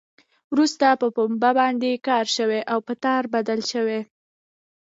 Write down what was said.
وروسته په پنبه باندې کار شوی او په تار بدل شوی.